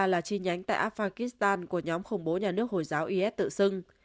is isk là trì nhánh tại afghanistan của nhóm khủng bố nhà nước hồi giáo is tự xưng